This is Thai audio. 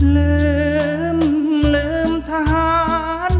ลืมลืมทหารทัพบกแล้วมาโกหกจนหัวอกกลัดนอง